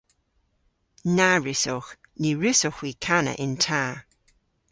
Na wrussowgh. Ny wrussowgh hwi kana yn ta.